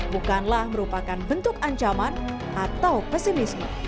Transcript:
bukanlah merupakan bentuk ancaman atau pesimisme